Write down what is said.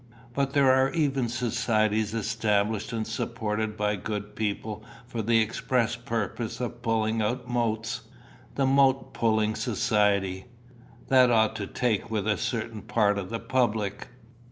But there are even societies established and supported by good people for the express purpose of pulling out motes. 'The Mote Pulling Society!' That ought to take with a certain part of the public."